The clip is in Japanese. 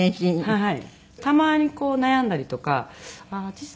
はい。